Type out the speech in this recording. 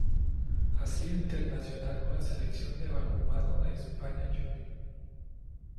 Ha sido internacional con la selección de balonmano de España junior.